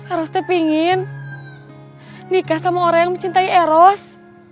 eros tuh pingin nikah sama orang yang mencintai eros